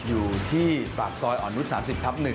อยู่ที่ปากซอยอ่อนนุษย๓๐ทับ๑